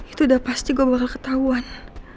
itu udah pasti gue bakal ketahuan